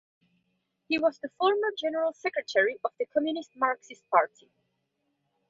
He was the former general secretary of Communist Marxist Party.